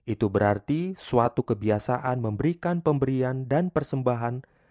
itu berarti suatu kebiasaan memberikan pemberian dan persembahan